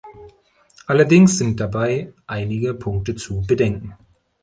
Allerdings sind dabei einige Punkte zu bedenken.